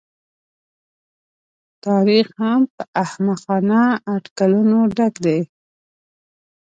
تاریخ هم په احمقانه اټکلونو ډک دی.